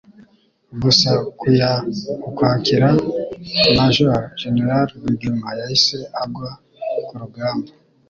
Gusa, ku ya Ukwakira Maj. Gen. Rwigema yahise agwa ku rugamba